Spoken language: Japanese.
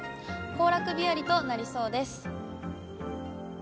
行楽日和となりそうです。